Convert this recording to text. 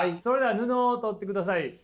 それでは布を取ってください。